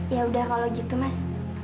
ya udah kalau gitu mas